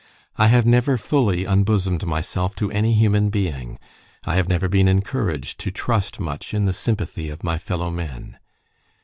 I have never fully unbosomed myself to any human being; I have never been encouraged to trust much in the sympathy of my fellow men.